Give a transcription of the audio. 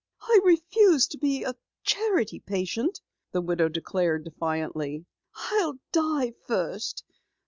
"I refuse to be a charity patient," the widow declared defiantly. "I'll die first!